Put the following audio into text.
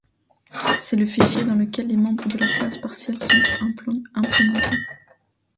C'est le fichier dans lequel les membres de la classe partielle sont implémentés.